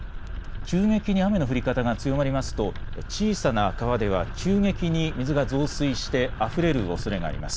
急激に雨の降り方が強まりますと小さな川では急激に水が増水してあふれるおそれがあります。